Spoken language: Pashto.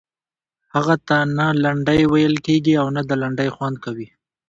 هغه ته نه لنډۍ ویل کیږي او نه د لنډۍ خوند کوي.